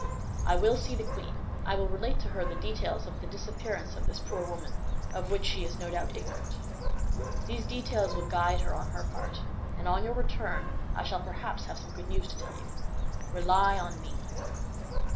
I will see the queen; I will relate to her the details of the disappearance of this poor woman, of which she is no doubt ignorant. These details will guide her on her part, and on your return, I shall perhaps have some good news to tell you. Rely on me."